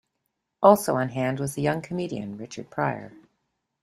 Also on hand was the young comedian Richard Pryor.